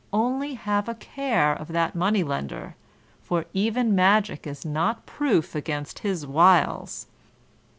Only, have a care of that Money lender, for even magic is not proof against his wiles!"